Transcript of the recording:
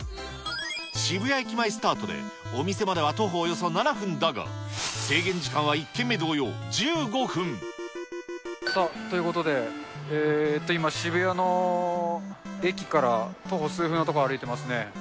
渋谷駅前スタートで、お店までは徒歩およそ７分だが、さあ、ということで、今、渋谷の駅から徒歩数分の所歩いてますね。